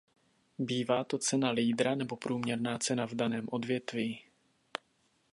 Bývá to cena lídra nebo průměrná cena v daném odvětví.